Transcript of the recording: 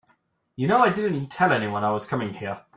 You know I didn't tell anybody I was coming here.